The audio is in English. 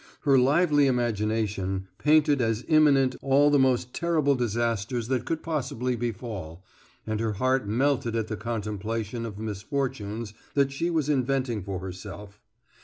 Her lively imagination painted as imminent all the most terrible disasters that could possibly befall, and her heart melted at the contemplation of misfortunes that she was inventing for herself.